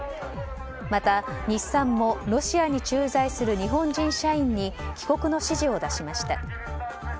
また、日産もロシアに駐在する日本人社員に帰国の指示を出しました。